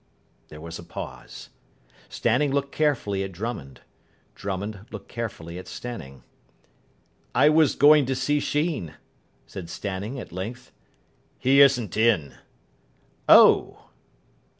There was a pause. Stanning looked carefully at Drummond. Drummond looked carefully at Stanning. "I was going to see Sheen," said Stanning at length. "He isn't in." "Oh!"